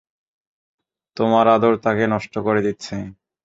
তোমার আদর তাকে নষ্ট করে দিচ্ছে।